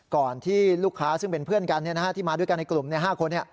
ก่อนที่ลูกค้าซึ่งเป็นเพื่อนกันที่มาด้วยกันในกลุ่ม๕คน